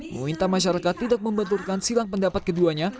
menguinta masyarakat tidak membetulkan silang pendapat keduanya